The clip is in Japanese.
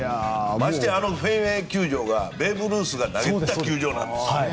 ましてあのフェンウェイパークはベーブ・ルースが投げてた球場なんです。